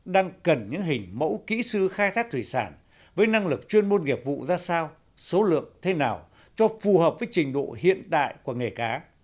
đang cần những hình mẫu kỹ sư khai thác thủy sản với năng lực chuyên môn nghiệp vụ ra sao số lượng thế nào cho phù hợp với trình độ hiện đại của nghề cá